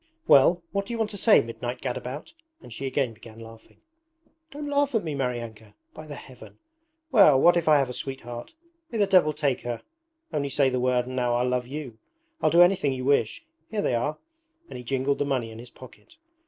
'Well, what do you want to say, midnight gadabout?' and she again began laughing. 'Don't laugh at me, Maryanka! By the Heaven! Well, what if I have a sweetheart? May the devil take her! Only say the word and now I'll love you I'll do anything you wish. Here they are!' and he jingled the money in his pocket.